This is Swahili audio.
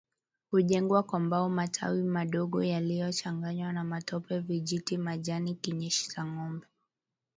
Hujengwa kwa mbao matawi madogo yaliyochanganywa na matope vijiti majani kinyesi cha ngombe